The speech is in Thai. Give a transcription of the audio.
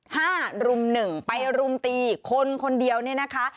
ห้ารุ่มหนึ่งไปรุมตีคนคนเดียวเนี่ยนะคะ